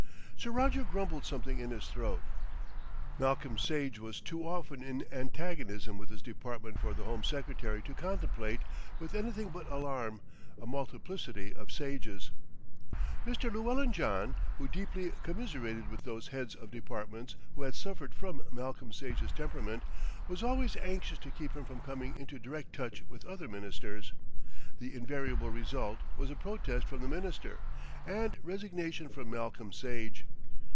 Sir Roger grumbled something in his throat. Malcolm Sage was too often in antagonism with his Department for the Home Secretary to contemplate with anything but alarm a multiplicity of Sages. Mr. Llewellyn John, who deeply commiserated with those heads of departments who had suffered from Malcolm Sage's temperament, was always anxious to keep him from coming into direct touch with other Ministers: the invariable result was a protest from the Minister, and resignation from Malcolm Sage.